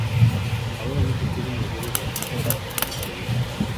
Hasta ahora no se tienen mayores noticias respecto al proyecto.